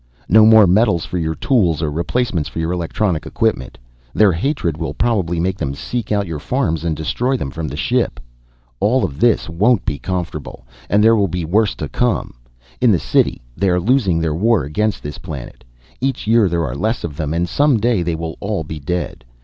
No more metals for your tools or replacements for your electronic equipment. Their hatred will probably make them seek out your farms and destroy them from the ship. All of this won't be comfortable and there will be worse to come. In the city they are losing their war against this planet. Each year there are less of them, and some day they will all be dead.